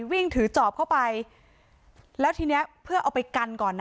วิ่งถือจอบเข้าไปแล้วทีเนี้ยเพื่อเอาไปกันก่อนนะ